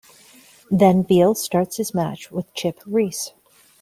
Then Beal starts his match with Chip Reese.